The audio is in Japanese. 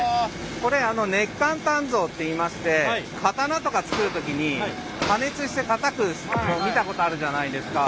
これ熱間鍛造っていいまして刀とか作る時に加熱してたたくの見たことあるじゃないですか。